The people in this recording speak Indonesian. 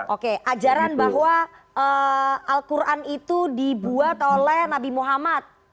oke ajaran bahwa al quran itu dibuat oleh nabi muhammad